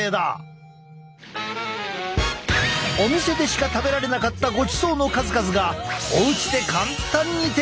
お店でしか食べられなかったごちそうの数々がおうちで簡単に手に入るぞ！